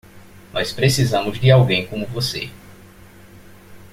Nós precisamos de alguém como você.